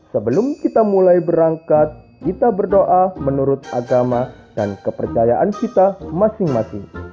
sebelum kita mulai berangkat kita berdoa menurut agama dan kepercayaan kita masing masing